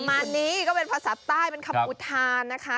มานี้ก็เป็นภาษาใต้เป็นคำอุทานนะคะ